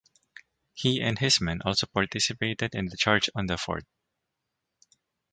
He and his men also participated in the charge on the fort.